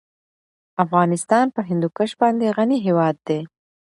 افغانستان په هندوکش باندې غني هېواد دی.